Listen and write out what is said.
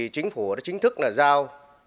chính phủ chính thức giao